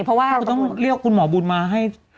เพราะว่าคุณต้องเรียกคุณหมอบุญมาให้